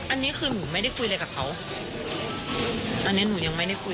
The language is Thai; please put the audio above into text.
อันนี้คือหนูไม่ได้คุยอะไรกับเขาตอนนี้หนูยังไม่ได้คุย